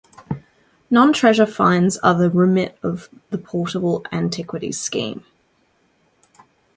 Non-treasure finds are the remit of the Portable Antiquities Scheme.